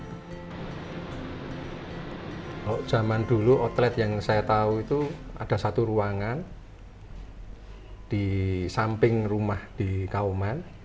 kalau zaman dulu outlet yang saya tahu itu ada satu ruangan di samping rumah di kauman